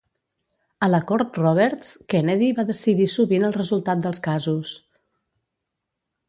A la Cort Roberts, Kennedy va decidir sovint el resultat dels casos.